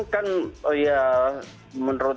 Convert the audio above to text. kan ya menurut